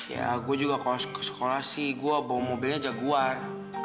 ya gua juga kalau ke sekolah sih gua bawa mobilnya jaguar